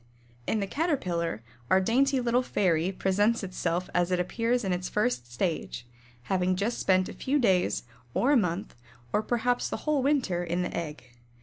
In the Caterpillar our dainty little fairy presents itself as it appears in its first stage, having just spent a few days, or a month, or perhaps the whole winter in the egg.